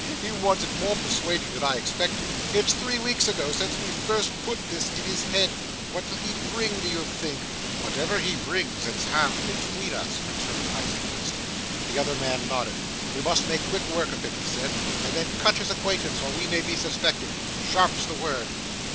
He wanted more persuading than I expected. It's three weeks ago, since we first put this in his head. What'll he bring, do you think?' 'Whatever he brings, it's halved between us,' returned Isaac List. The other man nodded. 'We must make quick work of it,' he said, 'and then cut his acquaintance, or we may be suspected. Sharp's the word.